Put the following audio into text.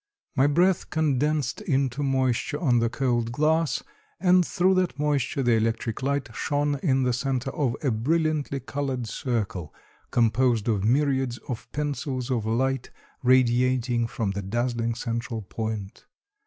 My breath condensed into moisture on the cold glass, and through that moisture the electric light shone in the center of a brilliantly colored circle, composed of myriads of pencils of light, radiating from the dazzling central point.